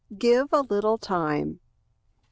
Give a Little Time.